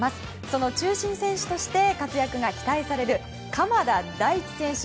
その中心選手として活躍が期待される鎌田大地選手。